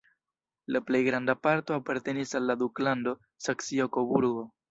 La plej granda parto apartenis al la duklando Saksio-Koburgo.